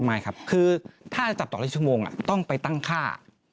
ไม่ครับคือถ้าจับต่อได้ชั่วโมงต้องไปตั้งค่า